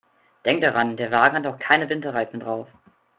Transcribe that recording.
Denk daran, der Wagen hat noch keine Winterreifen drauf.